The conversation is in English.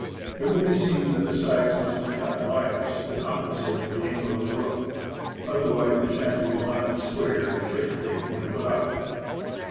It will be seen that the sides must be "cut bias," to compen sate for the angle of the roof, otherwise the shanty will not be square and ship shape when put up.